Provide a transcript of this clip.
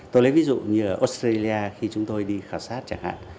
tôi lấy ví dụ như ở australia khi chúng tôi đi khảo sát chẳng hạn